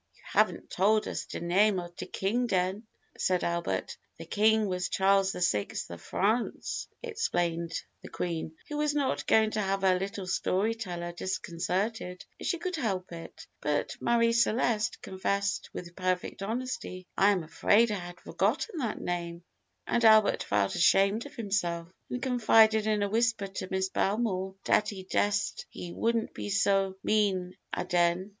"You haven't tol' us de name of de king den," said Albert. "The king was Charles the Sixth of France," explained the Queen, who was not going to have her little story teller disconcerted if she could help it; but Marie Celeste confessed with perfect honesty, "I am afraid I had forgotten that name;" and Albert felt ashamed of himself, and confided in a whisper to Miss Belmore "dat he dessed he wouldn't be so mean aden."